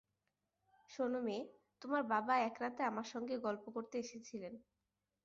শোন মেয়ে, তোমার বাবা এক রাতে আমার সঙ্গে গল্প করতে এসেছিলেন।